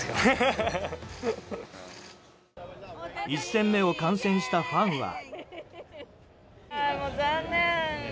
１戦目を観戦したファンは。